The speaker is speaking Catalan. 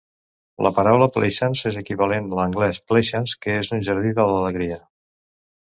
La paraula "plaisance" és equivalent a l'anglès "pleasance", que és un jardí de l'alegria.